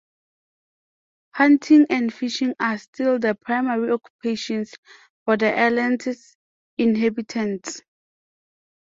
Hunting and fishing are still the primary occupations for the island's inhabitants.